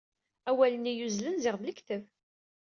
Awal-nni yuzzlen ziɣ d lekdeb.